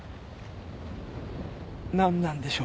何なんでしょう